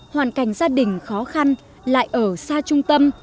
hoàn cảnh gia đình khó khăn lại ở xa trung tâm